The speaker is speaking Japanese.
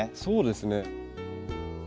そうですね。